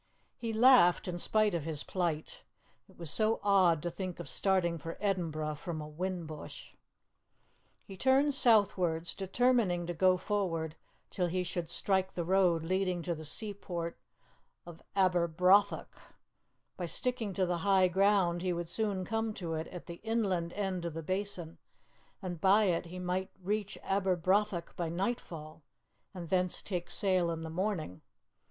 He laughed in spite of his plight; it was so odd to think of starting for Edinburgh from a whin bush. He turned southwards, determining to go forward till he should strike the road leading to the seaport of Aberbrothock; by sticking to the high ground he would soon come to it at the inland end of the Basin, and by it he might reach Aberbrothock by nightfall, and thence take sail in the morning.